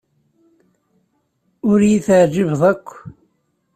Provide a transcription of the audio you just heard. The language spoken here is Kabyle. Ur iyi-teɛjibeḍ akk.